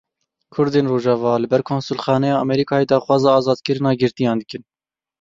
Kurdên Rojava li ber konsulxaneya Amerîkayê daxwaza azadkirina girtiyan dikin.